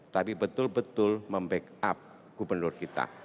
tapi betul betul membackup gubernur kita